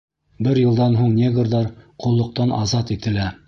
Бер йылдан һуң негрҙар ҡоллоҡтан азат ителә.